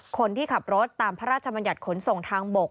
คนที่ขับรถตามพระราชบัญญัติขนส่งทางบก